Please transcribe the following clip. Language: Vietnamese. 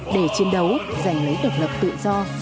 để chiến đấu giành lấy độc lập tự do cho dân tộc